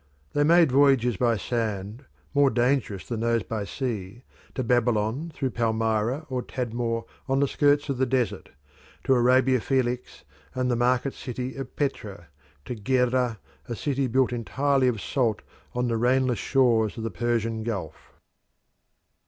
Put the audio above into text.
They made voyages by sand, more dangerous than those by sea, to Babylon through Palmyra or Tadmor on the skirts of the desert; to Arabia Felix and the market city of Petra; and to Gerrha, a city built entirely of salt on the rainless shores of the Persian Gulf.